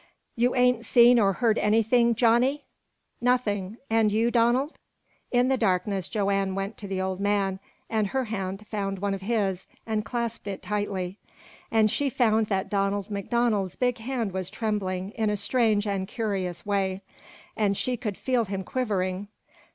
"You ain't seen or heard anything, Johnny?" "Nothing. And you Donald?" In the darkness, Joanne went to the old man, and her hand found one of his, and clasped it tightly; and she found that Donald MacDonald's big hand was trembling in a strange and curious way, and she could feel him quivering.